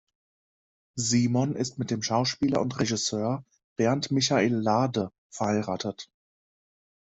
Simon ist mit dem Schauspieler und Regisseur Bernd Michael Lade verheiratet.